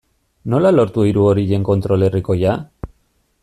Nola lortu hiru horien kontrol herrikoia?